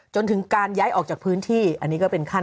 จนถึงการย้ายออกจากพื้นที่อันนี้ก็เป็นขั้น